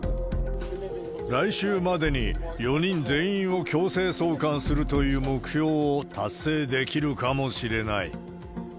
来週までに４人全員を強制送還するという目標を達成できるかもしれない。